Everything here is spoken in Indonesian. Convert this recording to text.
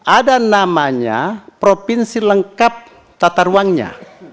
ada namanya provinsi lengkap tata ruangnya